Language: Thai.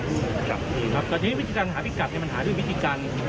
ครับดีครับตอนนี้วิธีการหาพิกัดเนี่ยมันหาด้วยวิธีการ